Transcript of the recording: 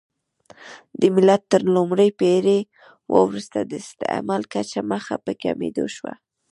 د میلاد تر لومړۍ پېړۍ وروسته د استعمل کچه مخ په کمېدو شوه